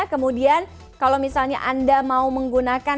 kemudian kalau misalnya anda mau menggunakan